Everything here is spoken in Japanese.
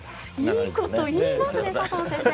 いいこと言いますね佐藤先生！